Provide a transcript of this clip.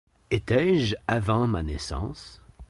Étais-je avant ma naissance?